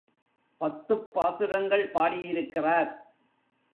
பத்துப் பாசுரங்கள் பாடியிருக்கிறார்.